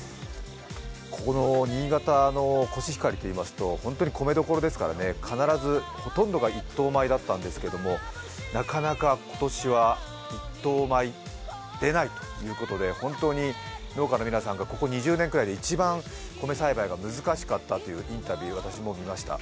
ここの新潟のコシヒカリといいますと本当に米どころですからね、必ずほとんどが１等米だったんですけど、なかなか今年は１等米、出ないということで本当に農家の皆さんが、ここ２０年ぐらいで米栽培が難しかったというインタビューを私も見ました。